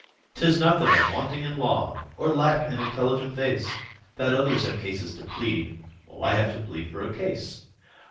"'Tis not that I'm wanting in law, Or lack an intelligent face, That others have cases to plead, While I have to plead for a case.